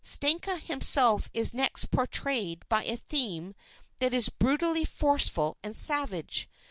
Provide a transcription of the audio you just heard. Stenka himself is next portrayed by a theme that is brutally forceful and savage.